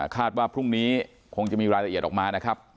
ว่าพรุ่งนี้คงจะมีรายละเอียดออกมานะครับ